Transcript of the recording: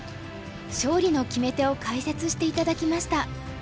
勝利の決め手を解説して頂きました。